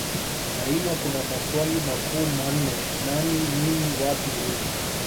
Daima kuna maswali makuu manne Nani nini wapi lini